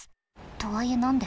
とはいえ何で？